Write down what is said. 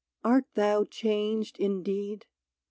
art thou changed, indeed